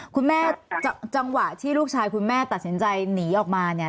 คุณแม่จังหวะที่ลูกชายคุณแม่ตัดสินใจหนีออกมาเนี่ย